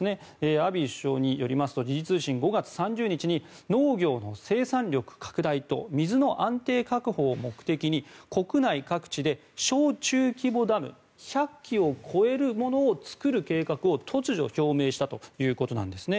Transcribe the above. アビー首相によりますと時事通信、５月３０日に農業の生産力拡大と水の安定確保を目的に国内各地で小中規模ダム１００基を超えるものを造る計画を突如、表明したということなんです。